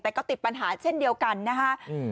แต่ก็ติดปัญหาเช่นเดียวกันนะคะ